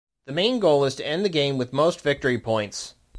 The main goal is to end the game with most Victory Points.